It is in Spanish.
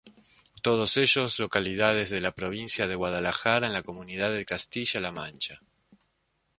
Todos ellos localidades de la provincia de Guadalajara en la comunidad de Castilla-La Mancha.